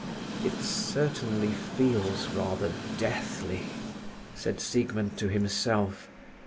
"It certainly feels rather deathly," said Siegmund to himself.